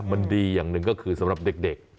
มันดีอย่างหนึ่งก็คือสำหรับเด็ก